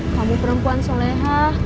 kamu perempuan solehah